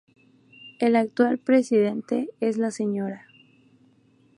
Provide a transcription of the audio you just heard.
El actual presidente es la Sra.